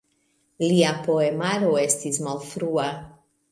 Lia poemaro estis malfrua.